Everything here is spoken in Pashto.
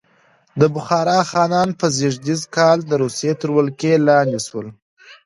د بخارا خانان په زېږدیز کال د روسیې تر ولکې لاندې شول.